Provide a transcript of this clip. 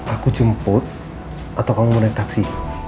aku jemput atau kamu mau naik taksi